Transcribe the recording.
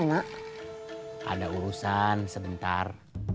semoga tidak ada orang yang mau berangkat